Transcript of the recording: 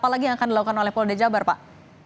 apa lagi yang akan dilakukan oleh polri dajabar pak